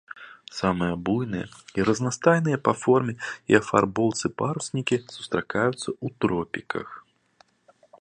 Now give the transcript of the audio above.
Самыя буйныя і разнастайныя па форме і афарбоўцы паруснікі сустракаюцца ў тропіках.